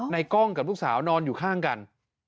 กล้องกับลูกสาวนอนอยู่ข้างกัน